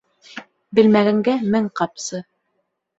Белмәгәнгә мең ҡамсы.